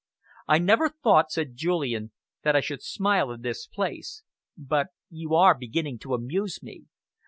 "I never thought," said Julian, "that I should smile in this place, but you are beginning to amuse me.